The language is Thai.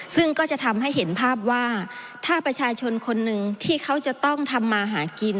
ซึ่งก็จะทำให้เห็นภาพว่าถ้าประชาชนคนหนึ่งที่เขาจะต้องทำมาหากิน